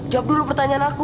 jawab dulu pertanyaan aku